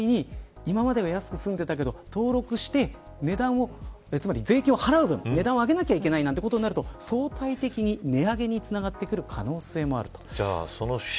登録する代わりに今までは安く済んでいたけど登録して、税金を払う分値段を上げなきゃいけなくなると相対的に値上げにつながってくる可能性もある。